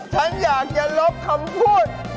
ฉันอยากจะลบคำพูด